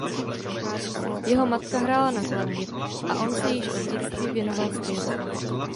Jeho matka hrála na klavír a on se již od dětství věnoval zpěvu.